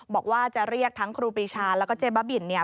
บอกว่าจะเรียกทั้งครูปีชาแล้วก็เจบับอิ่นเนี่ย